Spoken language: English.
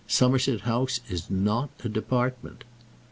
Somerset House is not a department."